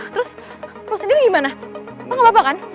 terus lo sendiri gimana lo gapapa kan